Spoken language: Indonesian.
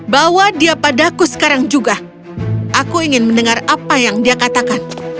bawa dia padaku sekarang juga aku ingin mendengar apa yang dia katakan